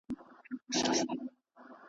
ورته جوړه په ګوښه کي هدیره سوه .